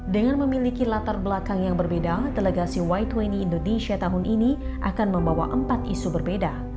dengan memiliki latar belakang yang berbeda delegasi y dua puluh indonesia tahun ini akan membawa empat isu berbeda